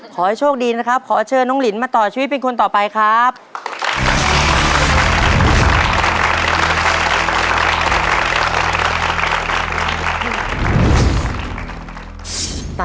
ขอให้โชคดีนะครับค่ะ